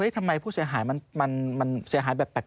ทำไมผู้เสียหายมันเสียหายแบบแปลก